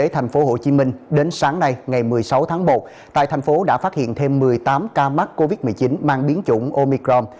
tại thành phố hồ chí minh đến sáng nay ngày một mươi sáu tháng một tại thành phố đã phát hiện thêm một mươi tám ca mắc covid một mươi chín mang biến chủng omicron